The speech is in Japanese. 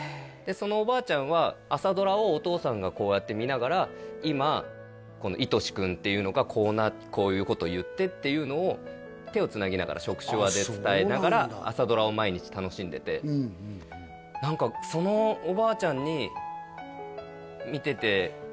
そのおばあちゃんは朝ドラをお父さんがこうやって見ながら今愛君っていうのがこういうこと言ってっていうのを手をつなぎながら触手話で伝えながら朝ドラを毎日楽しんでて何かだなって思いましたね